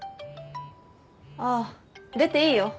ああ出ていいよ。